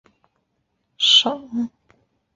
鹅贡省是越南曾经设立的一个省。